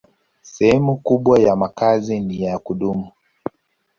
Sehemu kubwa ya makazi ni ya kudumu.